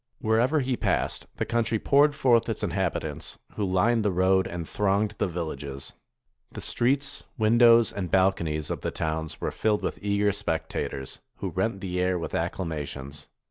Wherever he passed, the country poured forth its inhabitants, who lined the road and thronged the villages. The streets, windows, and balconies of the towns were filled with eager spectators, who rent the air with acclamations.